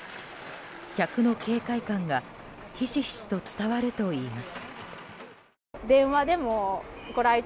客の警戒感がひしひしと伝わるといいます。